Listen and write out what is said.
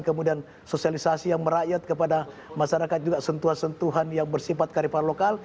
kemudian sosialisasi yang merakyat kepada masyarakat juga sentuhan sentuhan yang bersifat karifan lokal